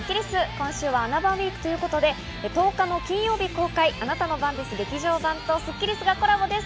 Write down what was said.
今週は『あな番』ＷＥＥＫということで１０日金曜日公開の『あなたの番です劇場版』とスッキりすがコラボです。